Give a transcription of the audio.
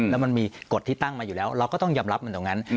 แล้วมันมีกฎที่ตั้งมาอยู่แล้วเราก็ต้องยอมรับมันตรงนั้น